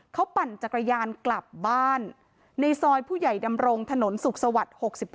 เขาปั่นจักรยานกลับบ้านในซอยผู้ใหญ่ดำรงถนนสุขสวัสดิ์๖๖